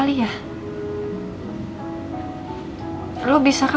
polisi bisa ngelacak beradaan kita dimana soha